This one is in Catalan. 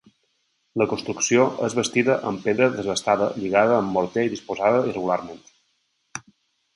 La construcció és bastida amb pedra desbastada lligada amb morter i disposada irregularment.